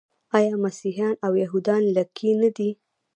آیا مسیحیان او یهودان لږکي نه دي؟